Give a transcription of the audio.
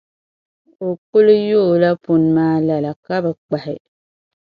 O kuli yoola puni maa lala, ka bi kpahi.